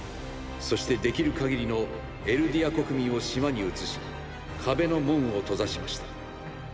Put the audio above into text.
そしてできる限りのエルディア国民を島に移し壁の門を閉ざしました。